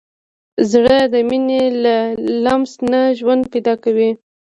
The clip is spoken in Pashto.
زړه د مینې له لمس نه ژوند پیدا کوي.